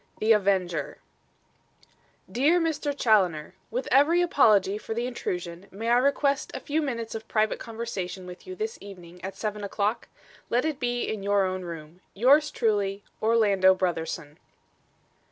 XXXIX. THE AVENGER "Dear Mr. Challoner: "With every apology for the intrusion, may I request a few minutes of private conversation with you this evening at seven o'clock? Let it be in your own room. "Yours truly, "ORLANDO BROTHERSON."